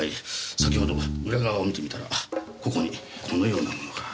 先ほど裏側を見てみたらここにこのようなものが。